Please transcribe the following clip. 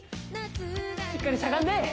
しっかりしゃがんで！